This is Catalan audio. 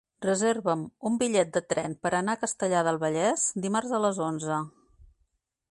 Reserva'm un bitllet de tren per anar a Castellar del Vallès dimarts a les onze.